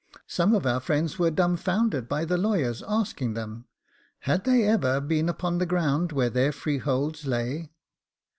Some of our friends were dumbfounded by the lawyers asking them: Had they ever been upon the ground where their freeholds lay?